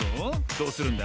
どうするんだ？